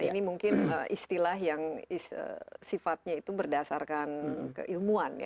ini mungkin istilah yang sifatnya itu berdasarkan keilmuan ya